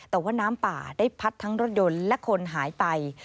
แต่ว่าน้ำป่าได้พัดทั้งรถยนต์และคนหายไป